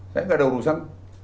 saya gak ada urusan